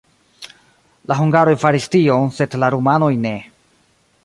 La hungaroj faris tion, sed la rumanoj ne.